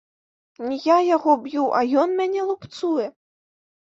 Не я яго б'ю, а ён мяне лупцуе.